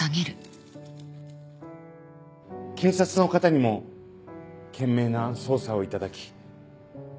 警察の方にも懸命な捜査をいただき。